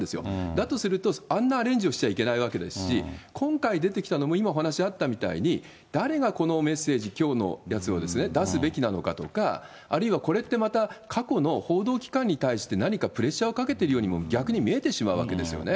だとすると、あんなアレンジをしちゃいけないわけですし、今回出てきたのも、今、お話あったみたいに、誰がこのメッセージ、きょうのやつを出すべきなのかとか、あるいはこれってまた、過去の報道機関に対して何かプレッシャーをかけてるようにも逆に見えてしまうわけですよね。